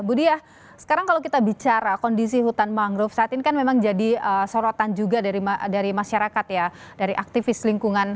budiah sekarang kalau kita bicara kondisi hutan mangrove saat ini kan memang jadi sorotan juga dari masyarakat ya dari aktivis lingkungan